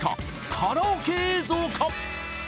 カラオケ映像か？